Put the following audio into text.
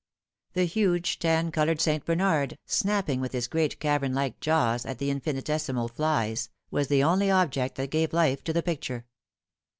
The huge tan coloured St. Bernard, snapping with his great cavern like jaws at infinitesimal flies, was the only object that gave life to the picture.